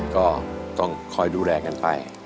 ก็ต้องคอยดูแลกันไป